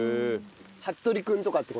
ハットリくんとかって事？